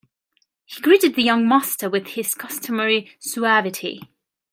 He greeted the young master with his customary suavity.